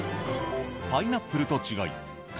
パイナップルと違い皮